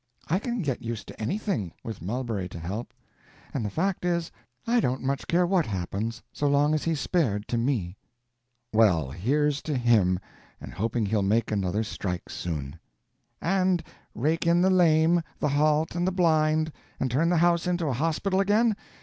I can get used to anything, with Mulberry to help; and the fact is, I don't much care what happens, so long as he's spared to me." "Well, here's to him, and hoping he'll make another strike soon." "And rake in the lame, the halt and the blind, and turn the house into a hospital again?